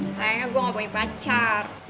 sayangnya gue gak punya pacar